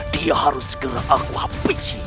dia harus segera aku hapis